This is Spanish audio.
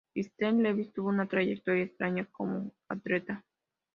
Steve Lewis tuvo una trayectoria extraña como atleta.